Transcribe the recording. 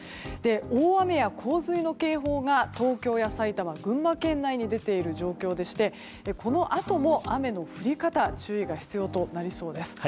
大雨や洪水の警報が東京や埼玉、群馬県内に出ている状況でしてこのあとも雨の降り方に注意が必要となりそうです。